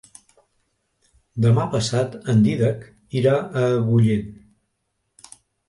Demà passat en Dídac irà a Agullent.